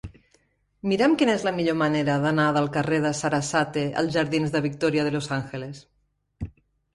Mira'm quina és la millor manera d'anar del carrer de Sarasate als jardins de Victoria de los Ángeles.